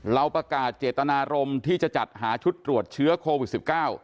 ประกาศเจตนารมณ์ที่จะจัดหาชุดตรวจเชื้อโควิด๑๙